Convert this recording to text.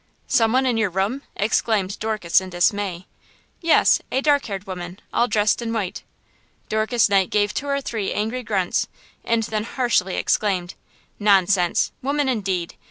"Some one in your room!" exclaimed Dorcas in dismay. "Yes; a dark haired woman, all dressed in white!" Dorcas Knight gave two or three angry grunts and then harshly exclaimed: "Nonsense! woman, indeed!